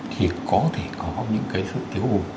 thì có thể có những cái sự thiếu bù